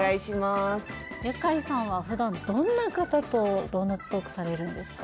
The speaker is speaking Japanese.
ユカイさんは普段どんな方とドーナツトークされるんですか？